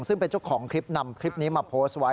ซึ่งเป็นเจ้าของคลิปนำคลิปนี้มาโพสต์ไว้